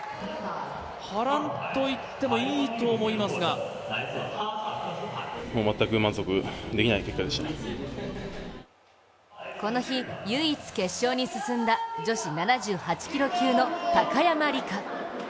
波乱といってもいいと思いますがこの日、唯一決勝に進んだ女子７８キロ級の高山莉加。